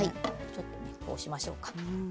ちょっとこうしましょうか。